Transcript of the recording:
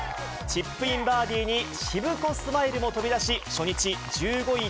チップインバーディーにしぶこスマイルも飛び出し、初日１５位